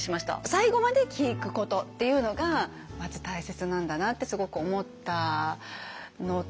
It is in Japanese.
最後まで聞くことっていうのがまず大切なんだなってすごく思いました。